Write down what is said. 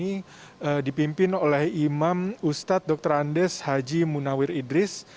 di mana sholat idul adha hari ini dipimpin oleh imam ustadz dr andes haji munawir idris